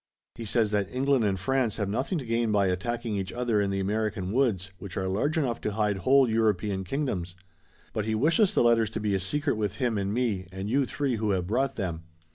He says that England and France have nothing to gain by attacking each other in the American woods, which are large enough to hide whole European kingdoms. But he wishes the letters to be a secret with him and me and you three who have brought them.